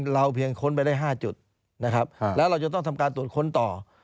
เพียงค้นไปได้๕จุดนะครับแล้วเราจะต้องทำการตรวจค้นต่อ